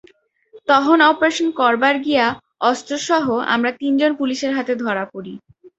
তহন অপারেশন করবার গিয়া অস্ত্রসহ আমরা তিনজন পুলিশের হাতে ধরা পড়ি।